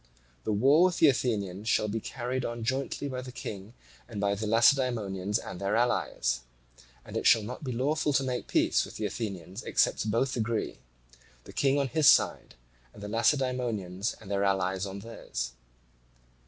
The war with the Athenians shall be carried on jointly by the King and by the Lacedaemonians and their allies: and it shall not be lawful to make peace with the Athenians except both agree, the King on his side and the Lacedaemonians and their allies on theirs.